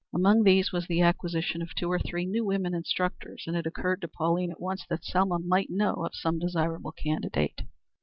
Among these was the acquisition of two or three new women instructors; and it occurred to Pauline at once that Selma might know of some desirable candidate.